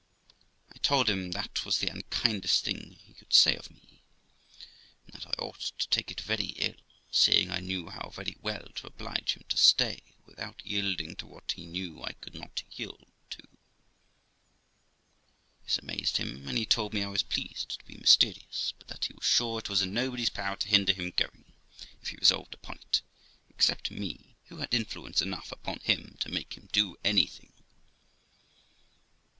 I told him that was the unkindest thing he could say of me, and that I ought to take it very ill, seeing I knew how very well to oblige him to stay, without yielding to what he knew I could not yield to. THE LIFE OF ROXANA 285 This amazed him, and he told me I was pleased to be mysterious, but that he was sure it was in nobody's power to hinder him going, if he resolved upon it, except me, who had influence enough upon him to make him do anything.